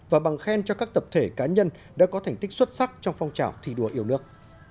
và bằng khen cho các tập thể cá nhân đã có thành tích xuất sắc trong phong trào thi đua yêu nước